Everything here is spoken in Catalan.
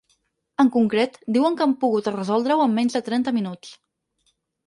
En concret, diuen que han pogut resoldre-ho en menys de trenta minuts.